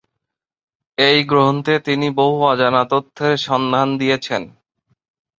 এই গ্রন্থে তিনি বহু অজানা তথ্যের সন্ধান দিয়েছেন।